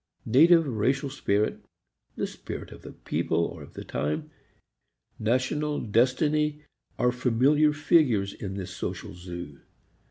Native racial spirit, the spirit of the people or of the time, national destiny are familiar figures in this social zoo.